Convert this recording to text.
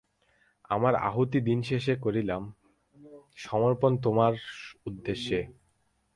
আমার আহুতি দিনশেষে করিলাম সমর্পণ তোমার উদ্দেশে।